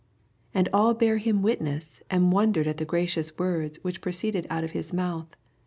22 And all bare him witness, and wondered at the gracious words which proceeded out of his mouth.